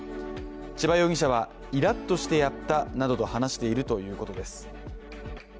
千葉容疑者は、イラッとしてやったなどと話しているということです。